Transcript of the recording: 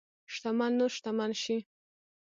شتمن نور شتمن شي.